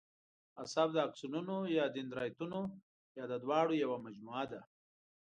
عصب د آکسونونو یا دندرایتونو یا د دواړو یوه مجموعه ده.